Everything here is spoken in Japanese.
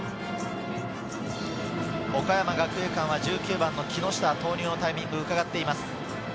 岡山学芸館は１９番の木下、投入のタイミングをうかがっています。